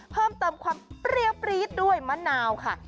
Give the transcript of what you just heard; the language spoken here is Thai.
เพิ่มเติมความเปรี้ยวปรี๊ดด้วยมะนาวค่ะ